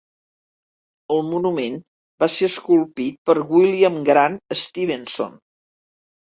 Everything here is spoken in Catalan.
El monument va ser esculpit per William Grant Stevenson.